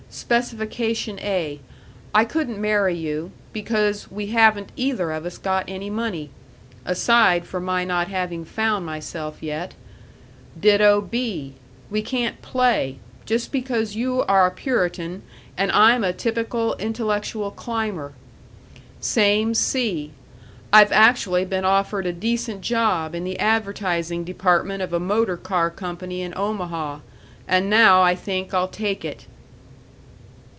Specification A I couldn't marry you, because we haven't either of us got any money aside from my not having found myself yet. Ditto B We can't play, just because you are a Puritan and I'm a typical intellectual climber. Same C I've actually been offered a decent job in the advertising department of a motor car company in Omaha, and now I think I'll take it."